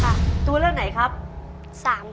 ช่วงมีชื่อไทยว่าอะไร